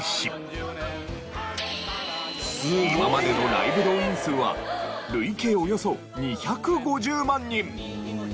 今までのライブ動員数は累計およそ２５０万人！